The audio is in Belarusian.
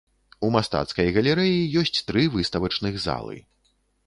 У мастацкай галерэі ёсць тры выставачных залы.